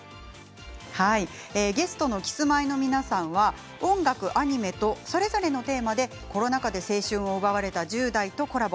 ゲストのキスマイの皆さんは音楽、アニメとそれぞれのテーマでコロナ禍で青春を奪われた１０代とコラボ。